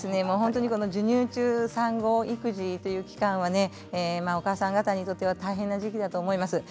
授乳中や産後の育児という期間はお母さん方にとっては大変な期間だと思います。